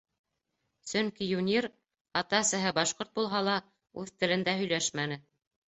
Сөнки Юнир, ата-әсәһе башҡорт булһа ла, үҙ телендә һөйләшмәне.